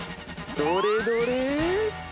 どれどれ？